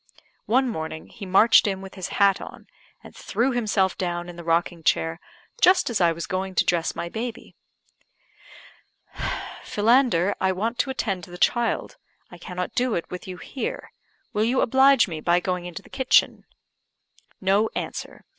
One morning he marched in with his hat on, and threw himself down in the rocking chair, just as I was going to dress my baby. "Philander, I want to attend to the child; I cannot do it with you here. Will you oblige me by going into the kitchen?" No answer.